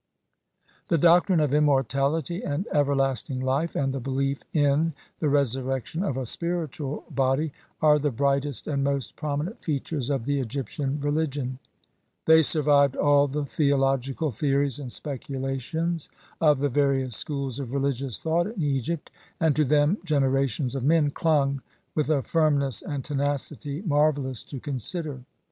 The doctrine of immortality and everlasting life and the belief in the resurrection of a spiritual body are the brightest and most prominent features of the Egyptian religion ; they survived all the theological theories and speculations of the various schools of religious thought in Egypt, and to them generations of men clung with a firmness and tenacity marvellous to consider.